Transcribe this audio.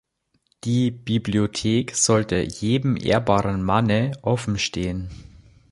Die Bibliothek sollte „jedem ehrbaren Manne“ offenstehen.